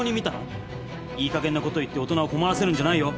いいかげんなこと言って大人を困らせるんじゃないよ。